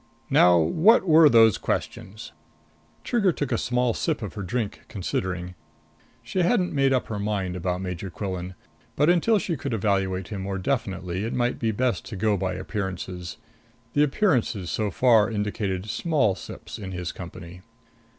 Now what were those questions?" Trigger took a small sip of her drink, considering. She hadn't made up her mind about Major Quillan, but until she could evaluate him more definitely, it might be best to go by appearances. The appearances so far indicated small sips in his company.